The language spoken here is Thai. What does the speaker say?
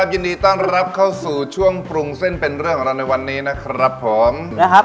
ยินดีต้อนรับเข้าสู่ช่วงปรุงเส้นเป็นเรื่องของเราในวันนี้นะครับผมนะครับ